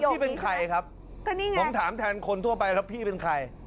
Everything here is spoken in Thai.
พยพี่เป็นใครครับผมถามแทนคนทั่วไปพี่เป็นใคร